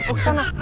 oh ke sana